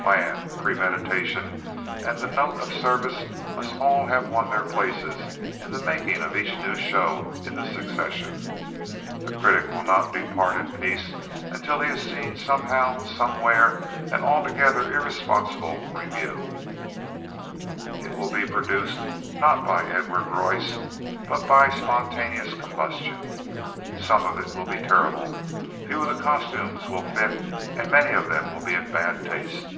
Plan, premeditation and the note of service must all have won their places in the making of each new show in the succession. The critic will not depart in peace until he has seen somehow, somewhere an altogether irresponsible revue. It will be produced not by Edward Royce but by spontaneous combustion. Some of it will be terrible. Few of the costumes will fit and many of them will be in bad taste.